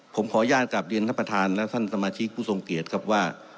ผมขออนุญาตกลับเรียนท่านประธานและท่านสมาชิกผู้ทรงเกียจครับว่า